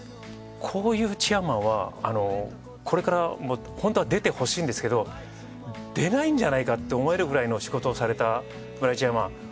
こういうチェアマンはこれからもホントは出てほしいんですけど出ないんじゃないかって思えるくらいの仕事をされた村井チェアマン